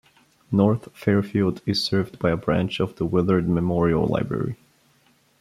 North Fairfield is served by a branch of the Willard Memorial Library.